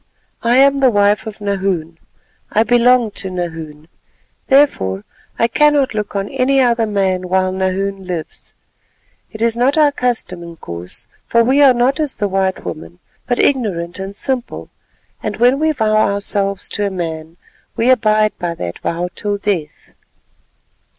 I am the wife of Nahoon—I belong to Nahoon; therefore, I cannot look on any other man while Nahoon lives. It is not our custom, Inkoos, for we are not as the white women, but ignorant and simple, and when we vow ourselves to a man, we abide by that vow till death."